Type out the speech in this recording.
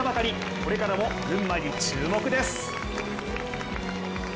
これからも群馬に注目です。